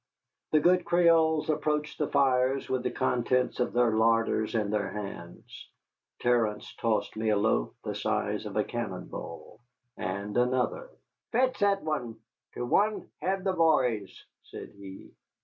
The good Creoles approached the fires with the contents of their larders in their hands. Terence tossed me a loaf the size of a cannon ball, and another. "Fetch that wan to wan av the b'ys," said he.